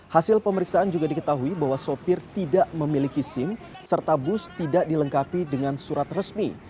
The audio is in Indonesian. hasil pemeriksaan juga diketahui bahwa sopir tidak memiliki sim serta bus tidak dilengkapi dengan surat resmi